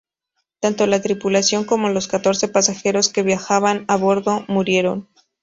Tanto la tripulación como los catorce pasajeros que viajaban a bordo murieron.